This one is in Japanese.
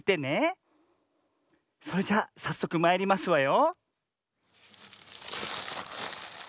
それじゃさっそくまいりますわよ。